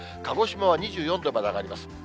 鹿児島は２４度まで上がります。